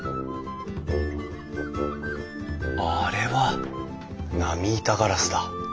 あれは波板ガラスだ！